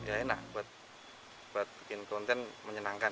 enak buat bikin konten menyenangkan